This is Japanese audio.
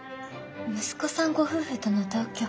息子さんご夫婦との同居。